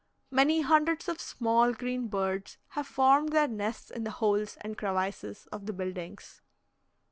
Many hundreds of small green birds have formed their nests in the holes and crevices of the buildings.